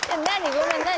ごめん何？